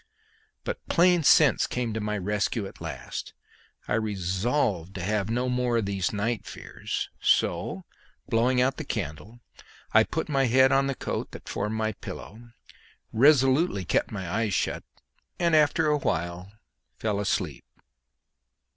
But plain sense came to my rescue at last. I resolved to have no more of these night fears, so, blowing out the candle, I put my head on the coat that formed my pillow, resolutely kept my eyes shut, and after awhile fell asleep.